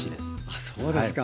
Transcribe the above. あそうですか。